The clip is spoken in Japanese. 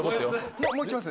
もうきます？